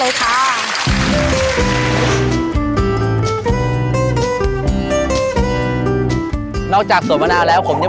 นอกจากสวนมะนาวแล้วผมยังมีคาเฟ่สวนมะนาวค่ะ